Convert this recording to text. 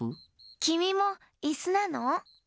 きみもいすなの？